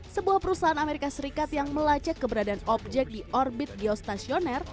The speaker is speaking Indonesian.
sebuah perusahaan amerika serikat yang melacak keberadaan objek di orbit biostasioner